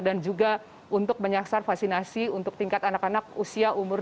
dan juga untuk menyaksar vaksinasi untuk tingkat anak anak usia umur dua belas